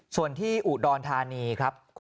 ส่วนที่อุดรธานีครับ